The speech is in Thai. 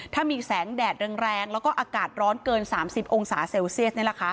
ถ้ามีแสงแดดแรงแล้วก็อากาศร้อนเกิน๓๐องศาเซลเซียส